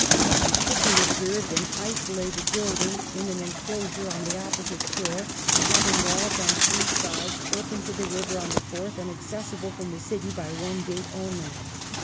He quickly observed an isolated building in an enclosure on the opposite shore, having walls on three sides, open to the river on the fourth, and accessible from the city by one gate only.